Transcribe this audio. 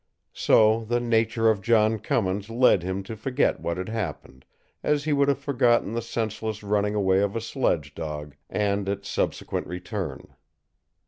So the nature of John Cummins led him to forget what had happened, as he would have forgotten the senseless running away of a sledge dog, and its subsequent return.